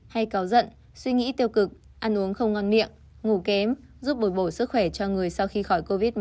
hay cáo giận suy nghĩ tiêu cực ăn uống không ngon miệng ngủ kém giúp bồi bổ sức khỏe cho người sau khi khỏi covid một mươi chín